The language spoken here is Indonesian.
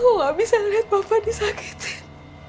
aku gak bisa liat bapak disakiti